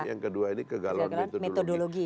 yang kedua ini kegalauan metodologi